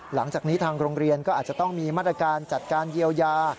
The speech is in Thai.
หลังจากนี้ทางโรงเรียนก็อาจจะต้องมีมาตรการจัดการเยียวยา